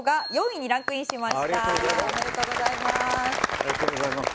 ありがとうございます。